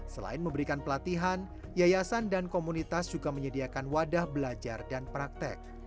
selain memberikan pelatihan yayasan dan komunitas juga menyediakan wadah belajar dan praktek